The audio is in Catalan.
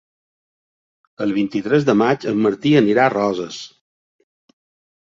El vint-i-tres de maig en Martí anirà a Roses.